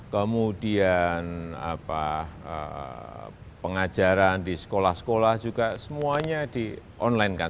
pembelajaran di sekolah sekolah juga semuanya di online kan